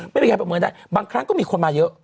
ไม่มีใครประเมินได้บางครั้งก็มีคนมาเยอะ